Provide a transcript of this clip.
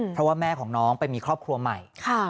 เพราะว่าแม่ของน้องไปมีครอบครัวใหม่